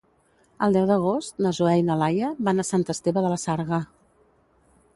El deu d'agost na Zoè i na Laia van a Sant Esteve de la Sarga.